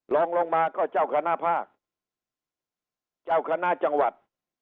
ลองลงมาก็เจ้าคณะภาคเจ้าคณะจังหวัด